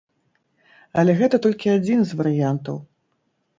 Але гэта толькі адзін з варыянтаў.